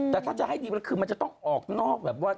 แต่ถ้าจะให้ดีมันคือมันจะต้องออกนอกแบบว่า